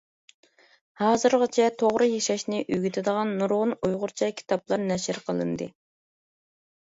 ھازىرغىچە توغرا ياشاشنى ئۆگىتىدىغان نۇرغۇن ئۇيغۇرچە كىتابلار نەشر قىلىندى.